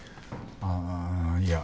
ああいや。